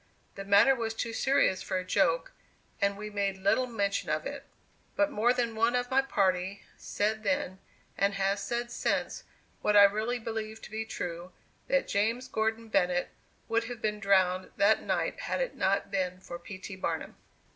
The matter was too serious for a joke, and we made little mention of it; but more than one of my party said then, and has said since, what I really believe to be true, that "James Gordon Bennett would have been drowned that night had it not been for P. T. Barnum."